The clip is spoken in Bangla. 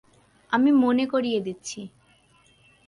আমি মনে করিয়ে দিচ্ছি।